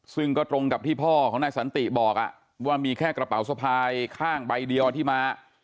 ซึ่งก็ตรงกับที่พ่อของนายสันติบอกว่ามีแค่กระเป๋าสะพายข้างใบเดียวที่มา